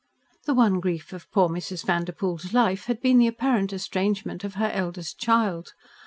The one grief of poor Mrs. Vanderpoel's life had been the apparent estrangement of her eldest child.